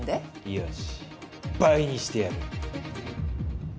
よし倍にしてやる。